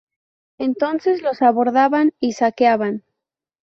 Entonces los abordaban y saqueaban.